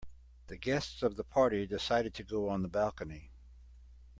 The guests of the party decided to go on the balcony.